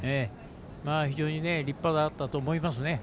非常に立派だったと思います。